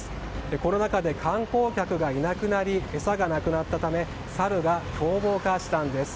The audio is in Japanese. コロナ禍で観光客がいなくなり餌がなくなったためサルが狂暴化したんです。